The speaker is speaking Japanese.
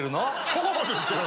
そうですよ！